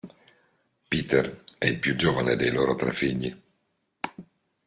Peter è il più giovane dei loro tre figli.